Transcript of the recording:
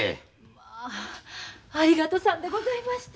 まあありがとさんでございました。